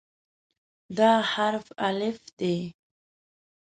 دا حرف "الف" دی.